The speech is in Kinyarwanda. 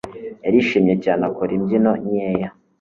Yarishimye cyane akora imbyino nkeya.